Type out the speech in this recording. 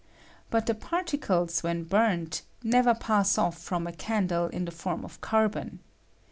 But the particles, when burnt, never pass off from a candle in the form of carbon.